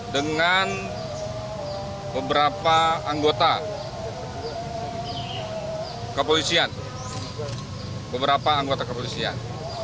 dengan beberapa anggota kepolisian